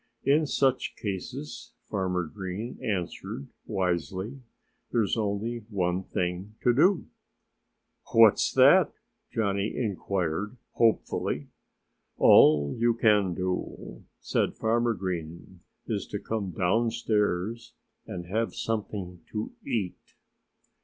"In such cases," Farmer Green answered wisely, "there's only one thing to do." "What's that?" Johnnie inquired hopefully. "All you can do," said Farmer Green, "is to come downstairs and have something to eat."